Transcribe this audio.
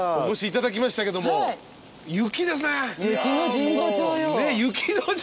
お越しいただきましたけども雪ですね。